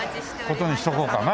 事にしとこうかな。